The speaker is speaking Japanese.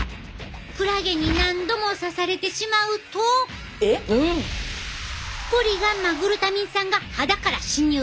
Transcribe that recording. クラゲに何度も刺されてしまうとポリガンマグルタミン酸が肌から侵入。